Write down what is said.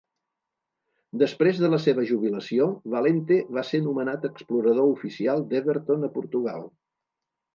Després de la seva jubilació, Valente va ser nomenat explorador oficial d'Everton a Portugal.